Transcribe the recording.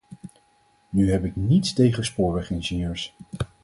Nu heb ik niets tegen spoorwegingenieurs.